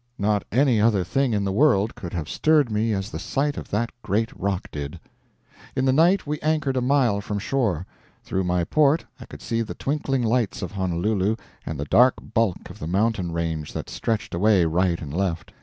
Not any other thing in the world could have stirred me as the sight of that great rock did. In the night we anchored a mile from shore. Through my port I could see the twinkling lights of Honolulu and the dark bulk of the mountain range that stretched away right and left.